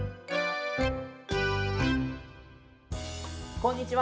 こんにちは。